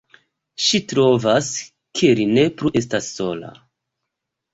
Ŝi trovas, ke li ne plu estas sola.